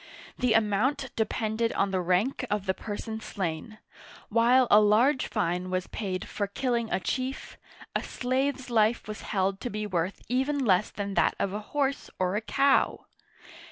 The amount depended on the rank of the person slain ; while a large fine was paid for killing a chief, a slave's life was held to be worth even less than that of a horse or a cow